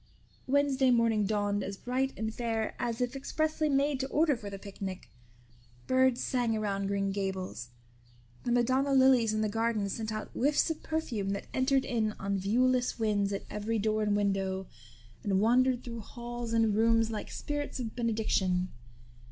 Wednesday morning dawned as bright and fair as if expressly made to order for the picnic. Birds sang around Green Gables; the Madonna lilies in the garden sent out whiffs of perfume that entered in on viewless winds at every door and window, and wandered through halls and rooms like spirits of benediction.